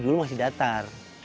dulu masih datar